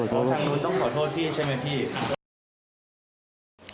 ทางนู้นต้องขอโทษพี่ใช่ไหมพี่